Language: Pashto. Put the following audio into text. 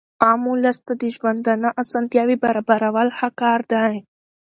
عام اولس ته د ژوندانه اسانتیاوي برابرول ښه کار دئ.